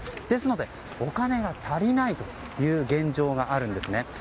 ですので、お金が足りないという現状があるんですね。